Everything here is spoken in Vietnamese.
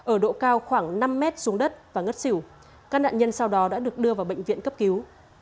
ở độ cao khoảng năm mét xuống đất và ngất xỉu các nạn nhân sau đó đã được đưa vào bệnh viện cấp cứu